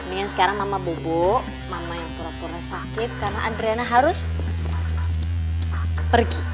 ini yang sekarang mama bubuk mama yang pura pura sakit karena adriana harus pergi